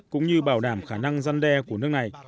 cũng như bảo đảm khả năng răn đe của nước này